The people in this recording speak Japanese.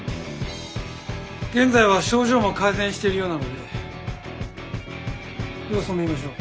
現在は症状も改善しているようなので様子を見ましょう。